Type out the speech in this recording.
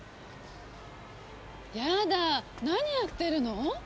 やだ何やってるの？